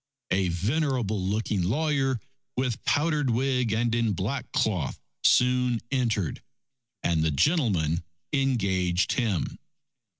A venerable looking lawyer, with powdered wig and in black cloth, soon entered, and the gentleman engaged him.